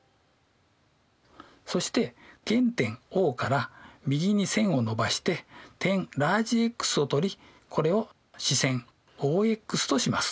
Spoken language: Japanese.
そして原点Ｏから右に線を伸ばして点Ｘを取りこれを始線ＯＸとします。